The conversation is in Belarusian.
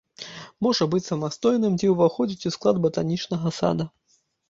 Можа быць самастойным ці уваходзіць у склад батанічнага сада.